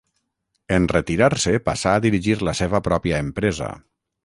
En retirar-se passà a dirigir la seva pròpia empresa.